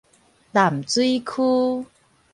淡水區